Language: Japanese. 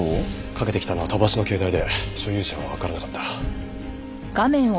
かけてきたのは飛ばしの携帯で所有者はわからなかった。